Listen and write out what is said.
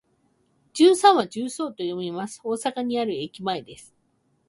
十三は「じゅうそう」と読みます。大阪にある駅前です。